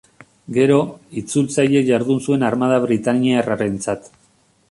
Gero, itzultzaile jardun zuen armada britainiarrarentzat.